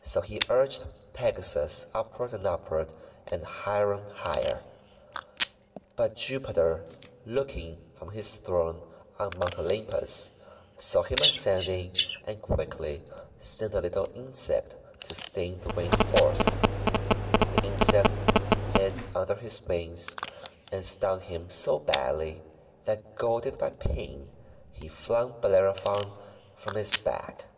So he urged Pegasus upward and upward, and higher and higher. But Jupiter, looking from his throne on Mount Olympus, saw him ascending, and quickly sent a little insect to sting the Winged Horse. The 400 THE WONDER GARDEN insect hid under his wings, and stung him so badly that, goaded by pain, he flung Bellerophon from his back.